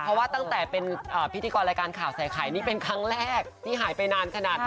เพราะว่าตั้งแต่เป็นพิธีกรรายการข่าวใส่ไข่นี่เป็นครั้งแรกที่หายไปนานขนาดนี้